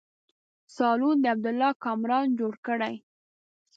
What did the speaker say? سالون د عبدالله کامران جوړ کړی.